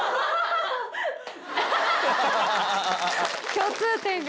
共通点が。